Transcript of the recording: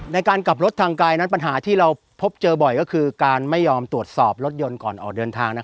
ในการกลับรถทางกายนั้นปัญหาที่เราพบเจอบ่อยก็คือการไม่ยอมตรวจสอบรถยนต์ก่อนออกเดินทาง